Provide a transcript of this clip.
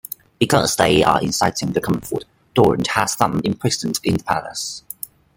Because they are inciting the commonfolk, Doran has them imprisoned in the palace.